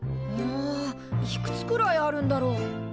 うんいくつくらいあるんだろう？